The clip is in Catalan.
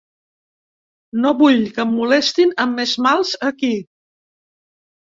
No vull que em molestin amb més mals aquí.